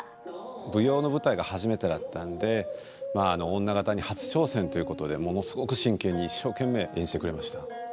舞踊の舞台が初めてだったんでまあ女方に初挑戦ということでものすごく真剣に一生懸命演じてくれました。